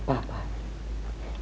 mama tidak mau bicara lagi